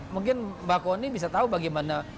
mungkin mbak kony bisa tahu bagaimana